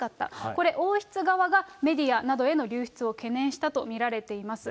これ、王室側がメディアなどへの流出を懸念したと見られています。